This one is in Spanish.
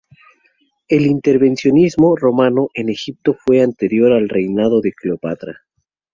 El intervencionismo romano en Egipto fue anterior al reinado de Cleopatra.